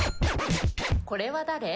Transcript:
これは誰？